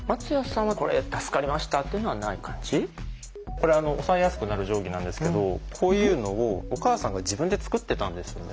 これ押さえやすくなる定規なんですけどこういうのをお母さんが自分で作ってたんですよね。